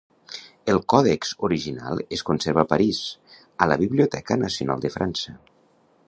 El còdex original es conserva a París, a la Biblioteca Nacional de França.